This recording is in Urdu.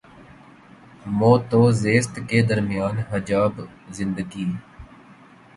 موت و زیست کے درمیاں حجاب زندگی